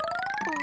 あ。